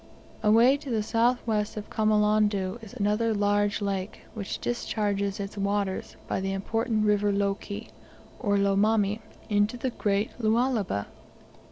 Away to the south west from Kamolondo is another large lake, which discharges its waters by the important River Loeki, or Lomami, into the great Lualaba.